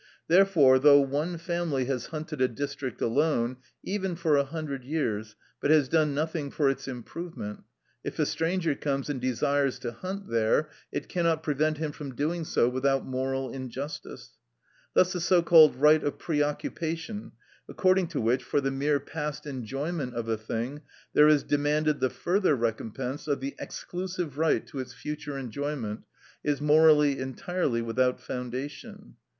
Therefore, though one family has hunted a district alone, even for a hundred years, but has done nothing for its improvement; if a stranger comes and desires to hunt there, it cannot prevent him from doing so without moral injustice. Thus the so called right of preoccupation, according to which, for the mere past enjoyment of a thing, there is demanded the further recompense of the exclusive right to its future enjoyment, is morally entirely without foundation.